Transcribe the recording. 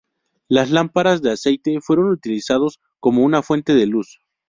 Las lámparas de aceite fueron utilizados como una fuente de luz.